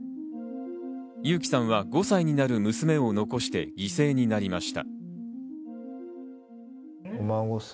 友紀さんは５歳になる娘を残して犠牲になりました。